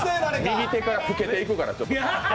右手から老けていくからちょっと。